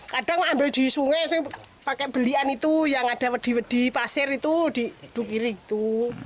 kadang ambil di sungai pakai belian itu yang ada di pasir itu dikirim itu